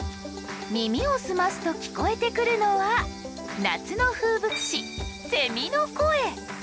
耳を澄ますと聞こえてくるのは夏の風物詩セミの声。